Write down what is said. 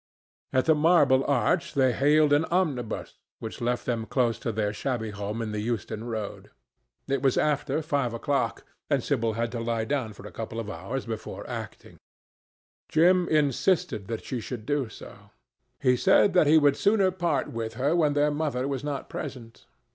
At the Marble Arch they hailed an omnibus, which left them close to their shabby home in the Euston Road. It was after five o'clock, and Sibyl had to lie down for a couple of hours before acting. Jim insisted that she should do so. He said that he would sooner part with her when their mother was not present.